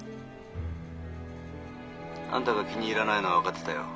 ☎あんたが気に入らないのは分かってたよ。